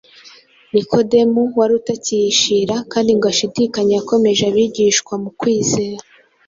Nikodemu wari utacyihishira kandi ngo ashidikanye yakomeje abigishwa mu kwizera